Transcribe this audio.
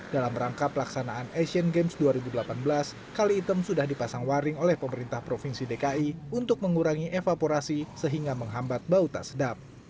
dalam rangka pelaksanaan asian games dua ribu delapan belas kali item sudah dipasang waring oleh pemerintah provinsi dki untuk mengurangi evaporasi sehingga menghambat bau tak sedap